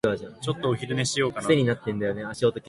ちょっとお昼寝しようかな。